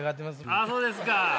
あそうですか。